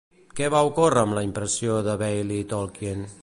Què va ocórrer amb la impressió de Baillie Tolkien?